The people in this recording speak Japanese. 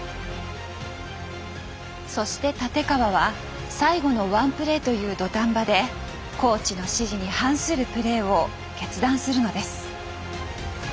そして立川は最後の１プレーという土壇場でコーチの指示に反するプレーを決断するのです。